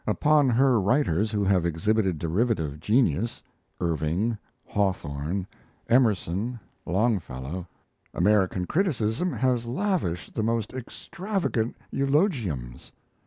Upon her writers who have exhibited derivative genius Irving, Hawthorne, Emerson, Longfellow American criticism has lavished the most extravagant eulogiums.